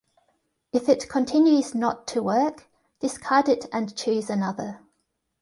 If it continues not to work, discard it and choose another.